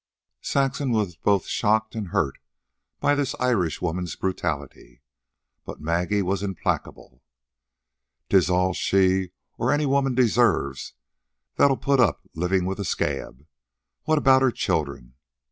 Saxon was both shocked and hurt by the Irishwoman's brutality. But Maggie was implacable. "'Tis all she or any woman deserves that'll put up an' live with a scab. What about her children?